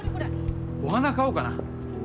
お花買おうかな。